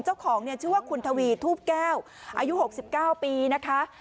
เจ้าของเนี่ยชื่อว่าคุณทวีทูปแก้วอายุ๖๙ปีนะคะ